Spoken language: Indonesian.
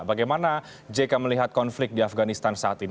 bagaimana jk melihat konflik di afganistan saat ini